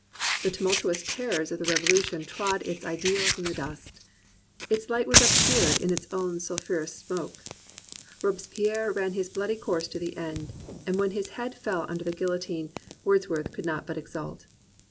The tumultuous terrors of the Revolution trod its ideals in the dust. Its light was obscured in its own sul phurous smoke. Robespierre ran his bloody course to the end; and when his head fell under the guil lotine, Wordsworth could not but exult.